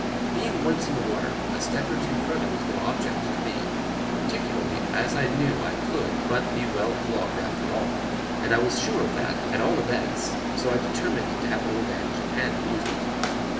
Being once in the water, a step or two farther was no object to me, particularly as I knew I could but be well flogged after all, and I was quite sure of that, at all events, so I determined to have my revenge and amusement.